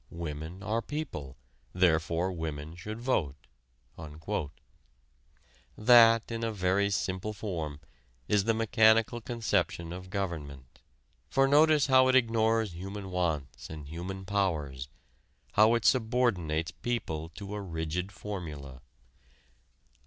Women are people. Therefore women should vote." That in a very simple form is the mechanical conception of government. For notice how it ignores human wants and human powers how it subordinates people to a rigid formula.